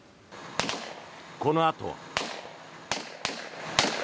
このあとは。